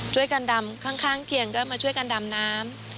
ช่วยกันดำข้างเกียงก็มาช่วยกันดำน้ำ